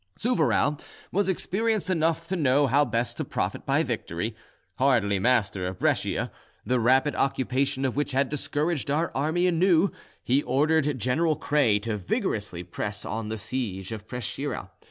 Souvarow was experienced enough to know how best to profit by victory; hardly master of Brescia, the rapid occupation of which had discouraged our army anew, he ordered General Kray to vigorously press on the siege of Preschiera.